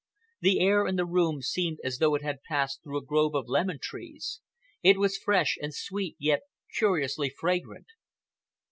The air in the room seemed as though it had passed through a grove of lemon trees,—it was fresh and sweet yet curiously fragrant.